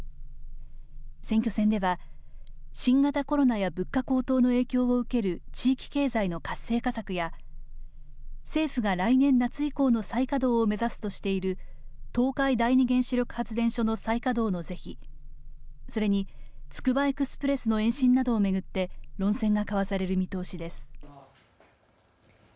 選挙戦では新型コロナや物価高騰の影響を受ける地域経済の活性化策や、政府が来年夏以降の再稼働を目指すとしている東海第二原子力発電所の再稼働の是非それに、つくばエクスプレスの延伸などを巡って論戦が交わされる見通しです。